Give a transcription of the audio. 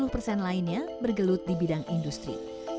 lima puluh persen lainnya bergelut di bidang industri